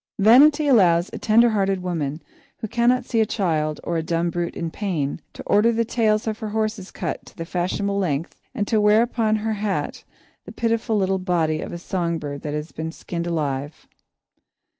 Vanity allows a tender hearted woman, who cannot see a child or a dumb brute in pain, to order the tails of her horses cut to the fashionable length and to wear upon her hat the pitiful little body of a song bird that has been skinned alive.